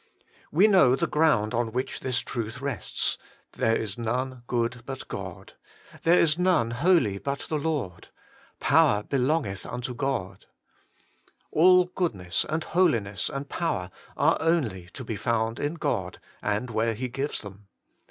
We know the ground on which this truth rests, ' There is none good but God ';' There is none holy but the Lord ';' Power be longeth unto God.' All goodness and holi ness and power are only to be found in God, and where He gives them.